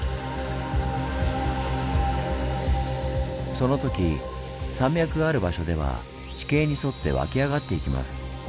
そのとき山脈がある場所では地形に沿って湧き上がっていきます。